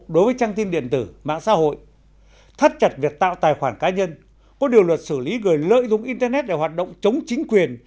đối với trang tin điện tử mạng xã hội thắt chặt việc tạo tài khoản cá nhân có điều luật xử lý người lợi dụng internet để hoạt động chống chính quyền